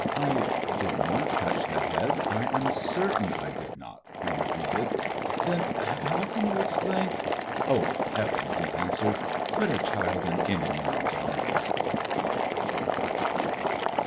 "I did not touch the head. I am certain I did not," he repeated. "Then how can you explain " "Oh, heaven!" he answered. "Put a child in any woman's arms."